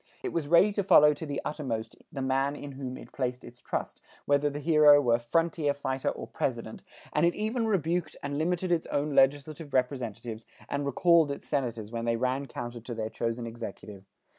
It was ready to follow to the uttermost the man in whom it placed its trust, whether the hero were frontier fighter or president, and it even rebuked and limited its own legislative representatives and recalled its senators when they ran counter to their chosen executive.